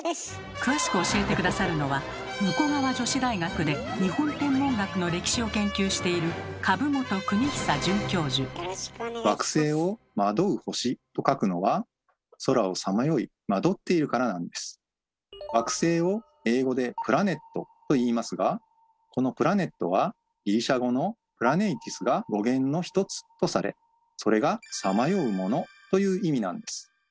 詳しく教えて下さるのは武庫川女子大学で日本天文学の歴史を研究している惑星を英語で「プラネット」と言いますがこの「プラネット」はギリシャ語の「プラネィティス」が語源の一つとされそれが「さまようもの」という意味なんです。